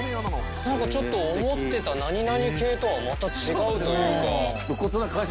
何かちょっと思ってた何々系とはまた違うというか。